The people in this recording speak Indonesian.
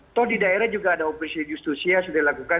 atau di daerah juga ada operasi justisia sudah dilakukan